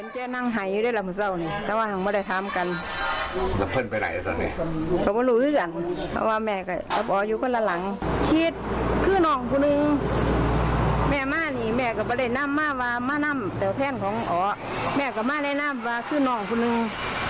แกก็จะเอาไปใจแม่ใส่ทุกหมวดจำนองผู้หนึ่ง